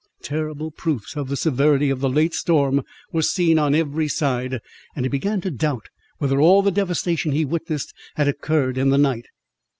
Terrible proofs of the severity of the late storm were seen on every side; and he began to doubt whether all the devastation he witnessed had occurred in the night.